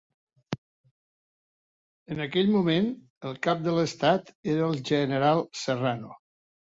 En aquell moment, el Cap de l'Estat era el general Serrano.